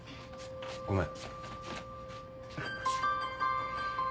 ごめん。